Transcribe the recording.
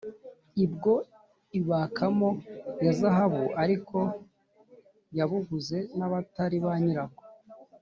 ibwo ibakamo yazahabu ariko yabuguze nabatari banyirabwo